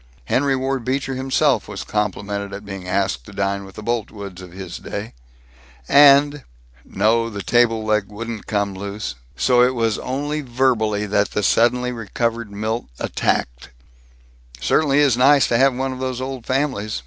Henry Ward Beecher himself was complimented at being asked to dine with the Boltwoods of his day, and " No, the table leg wouldn't come loose, so it was only verbally that the suddenly recovered Milt attacked: "Certainly is nice to have one of those old families.